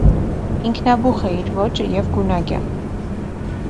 Ինքնաբուխ է իր ոճը եւ գունագեղ։